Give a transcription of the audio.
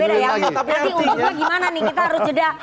nanti untuk lu gimana nih kita harus jeda